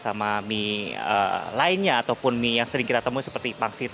sama mie lainnya ataupun mie yang sering kita temui seperti pangsit